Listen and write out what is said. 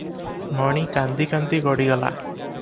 ମଣି କାନ୍ଦି କାନ୍ଦି ଗଡ଼ିଗଲା ।